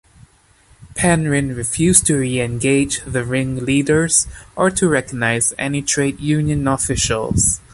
Penrhyn refused to re-engage the ringleaders or to recognise any trade union officials.